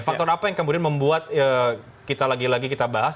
faktor apa yang kemudian membuat kita lagi lagi kita bahas